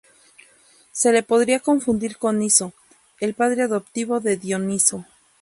Se le podría confundir con Niso, el padre adoptivo de Dioniso.